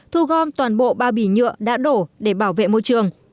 thu gom toàn bộ ba bỉ nhựa đã đổ để bảo vệ môi trường